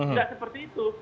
tidak seperti itu